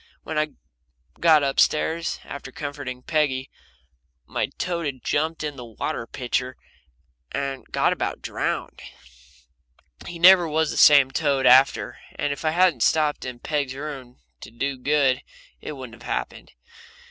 When I got up stairs, after comforting Peggy, my toad had jumped in the water pitcher and got about drowned he never was the same toad after and if I hadn't stopped in Peg's room to do good it wouldn't have happened.